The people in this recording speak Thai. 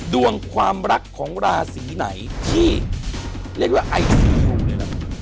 ด่วงความรักของราศีไหนที่เรียกว่าไอ้สีห่วงเลยล่ะ